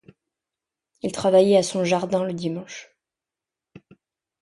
Il travaillait à son jardin le dimanche.